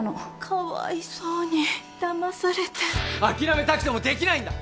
「かわいそうに。だまされて」「諦めたくてもできないんだ！」